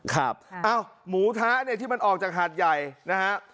ครับเอ้าหมูทะเนี่ยที่มันออกจากหาดใหญ่นะฮะ